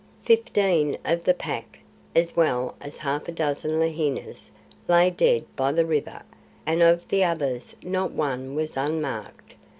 Fifteen of the Pack, as well as half a dozen lahinis, lay dead by the river, and of the others not one was unmarked.